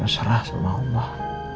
serah sama allah